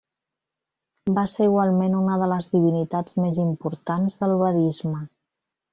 Va ser igualment una de les divinitats més importants del vedisme.